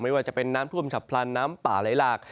ไม่ว่าจะเป็นน้ำพุ่มชะพลันน้ำป่าล้ายลาก